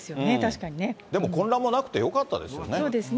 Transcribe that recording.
でも、混乱もなくてよかったそうですね。